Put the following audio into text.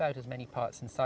di dalamnya seperti bus